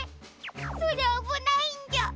それあぶないんじゃ。